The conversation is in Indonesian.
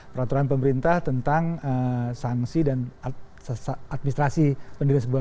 peraturan pemerintah tentang sanksi dan administrasi pendirian sebuah